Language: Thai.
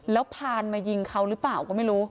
แล้วพานมายิงเขาหรือเปล่าก็ไม่รู้